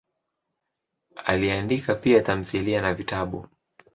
Aliandika pia tamthilia na vitabu.